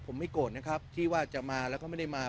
ผมไม่โกรธนะครับที่ว่าจะมาแล้วก็ไม่ได้มา